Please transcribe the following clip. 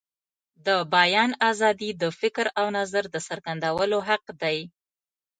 د بیان آزادي د فکر او نظر د څرګندولو حق دی.